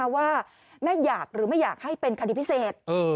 ว่าแม่อยากหรือไม่อยากให้เป็นคดีพิเศษ